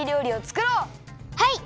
はい！